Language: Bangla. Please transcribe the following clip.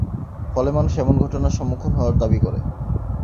ফলে মানুষ এমন ঘটনার সম্মুখীন হওয়ার দাবি করে।